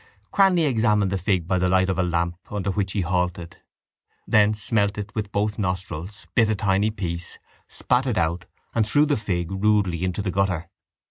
Cranly examined the fig by the light of a lamp under which he halted. Then he smelt it with both nostrils, bit a tiny piece, spat it out and threw the fig rudely into the gutter.